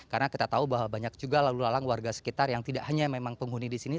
karena kita tahu bahwa banyak juga lalu lalang warga sekitar yang tidak hanya memang penghuni di sini